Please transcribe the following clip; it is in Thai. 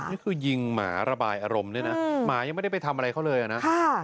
นี่คือยิงหมาระบายอารมณ์ด้วยนะหมายังไม่ได้ไปทำอะไรเขาเลยนะ